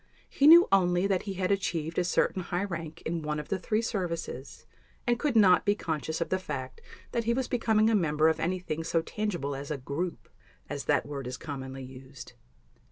He knew only that he had achieved a certain high rank in one of the three services, and could not be conscious of the fact that he was becoming a member of anything so tangible as a "group", as that word is commonly used.